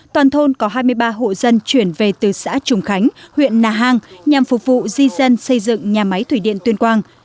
toàn thôn có hai mươi ba hộ dân chuyển về từ xã trùng khánh huyện na hàng nhằm phục vụ di dân xây dựng nhà máy thủy điện tuyên quang